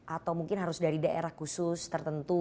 atau mungkin harus dari daerah khusus tertentu